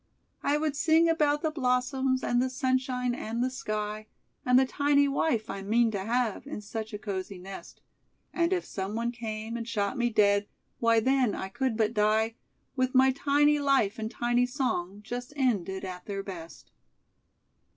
"'I would sing about the blossoms, And the sunshine and the sky, And the tiny wife I mean to have, In such a cosy nest; And if someone came and shot me dead, Why, then, I could but die, With my tiny life and tiny song Just ended at their best.'"